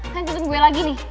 kan tutup gue lagi nih